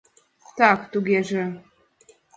— Так, тугеже?..